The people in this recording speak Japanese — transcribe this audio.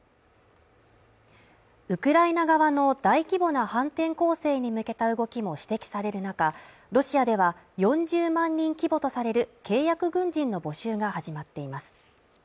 ウクライナ側の大規模な反転攻勢に向けた動きも指摘される中、ロシアでは４０万人規模とされる契約軍人の募集が始まっています。